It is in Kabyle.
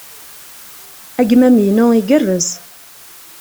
Agmam-inu igerrez.